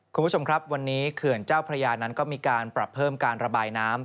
คุณผู้ชมครับวันนี้เขื่อนเจ้าพระยานั้นก็มีการปรับเพิ่มการระบายน้ำ